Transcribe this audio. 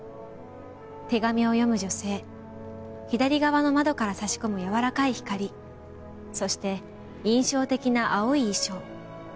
手紙を読む女性左側の窓から差し込むやわらかい光そして印象的な青い衣装。